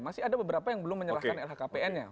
masih ada beberapa yang belum menyerahkan lhkpn nya